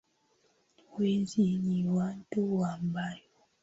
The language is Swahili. Wezi ni watu wabaya